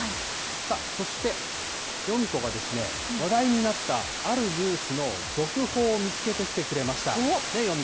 さあ、そして、ヨミ子が話題になったあるニュースの続報を見つけてきてくれました。